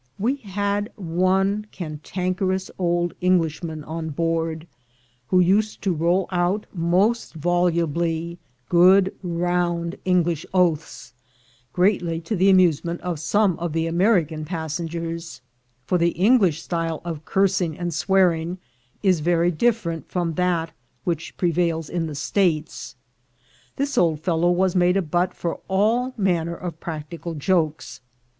We had one cantankerous old Englishman on board, who used to roll out, most volublj', good round English oaths, greatly to the amusement of some of the American passengers, for the English stj'le of cursing and swearing is very different from that which prevails in the States. This old fellow was made a butt for all manner of practical jokes.